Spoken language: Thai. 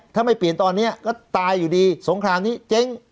ถ้าไม่เปลี่ยนตอนนี้ก็ตายอยู่ดีสงครามนี้เจ๊ง